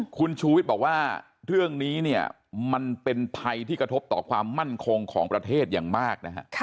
คุณชูวิทย์บอกว่าเรื่องนี้เนี่ยมันเป็นภัยที่กระทบต่อความมั่นคงของประเทศอย่างมากนะฮะ